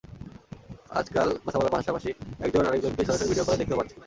আজকাল কথা বলার পাশপাশি একজন আরেকজনকে সরাসরি ভিডিও কলে দেখতেও পাচ্ছে।